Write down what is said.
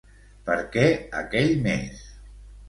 Per què aquell mes?